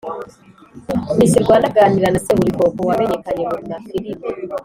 miss rwanda aganira na seburikoko wamenyekanye mu mafilime,